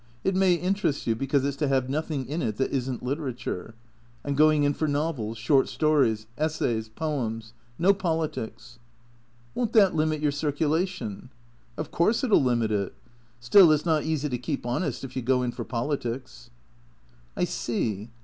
It may interest you, because it 's to have nothing in it that is n't literature. I 'm going in for novels, short stories, essays, poems. No politics." " Won't that limit your circulation ?"" Of course it '11 limit it. Still, it 's not easy to keep honest if you go in for politics." " I see.